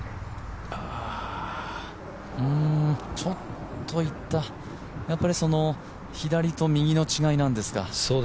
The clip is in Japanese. ああちょっと、いったやっぱり左と右の違いなんですか。